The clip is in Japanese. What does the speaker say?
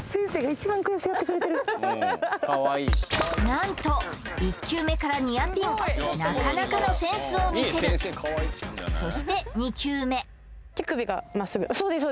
なんと１球目からニアピンなかなかのセンスを見せるそして２球目そうです